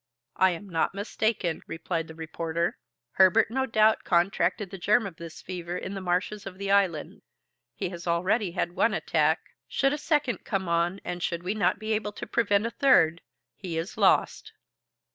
"I am not mistaken," replied the reporter. "Herbert no doubt contracted the germ of this fever in the marshes of the island. He has already had one attack; should a second come on and should we not be able to prevent a third, he is lost."